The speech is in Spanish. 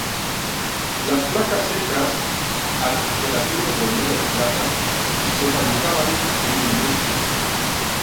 Las placas secas "al gelatino-bromuro de plata" se fabricaban en industrias.